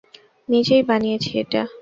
নিজেই বানিয়েছি এটা।